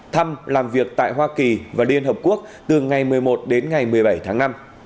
thăm làm việc tại hoa kỳ và liên hợp quốc từ ngày một mươi một đến ngày một mươi bảy tháng năm